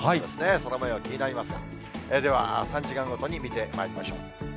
空もよう気になりますが、では、３時間ごとに見てまいりましょう。